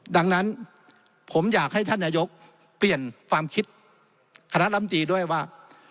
ดังนั้นผมอยากให้ท่านนายกเปลี่ยนความคิดคณะลำตีด้วยว่า